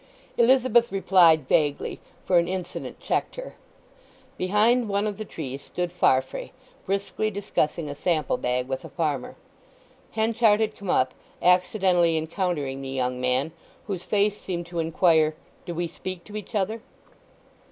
Elizabeth replied vaguely, for an incident checked her. Behind one of the trees stood Farfrae, briskly discussing a sample bag with a farmer. Henchard had come up, accidentally encountering the young man, whose face seemed to inquire, "Do we speak to each other?"